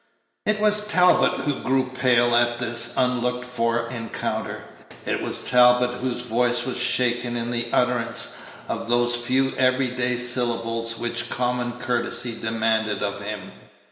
It was Talbot who grew pale at this unlooked for Page 64 encounter; it was Talbot whose voice was shaken in the utterance of those few every day syllables which common courtesy demanded of him.